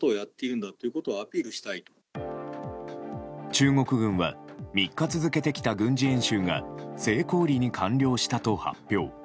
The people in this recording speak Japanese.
中国軍は３日続けてきた軍事演習が成功裏に完了したと発表。